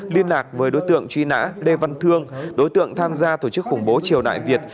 liên lạc với đối tượng truy nã lê văn thương đối tượng tham gia tổ chức khủng bố triều đại việt